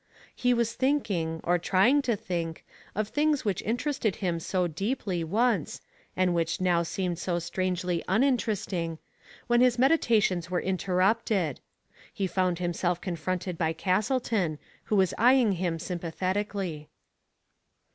He was thinking, or trying to think, of things which interested him so deeply once, and which now seemed so strangely uninteresting, when his meditations were interrupted. He found himself confronted by Castleton, who was eying him sympathetic ally.